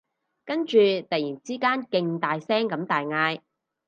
跟住突然之間勁大聲咁大嗌